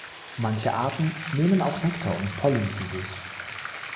Manche Arten nehmen auch Nektar und Pollen zu sich.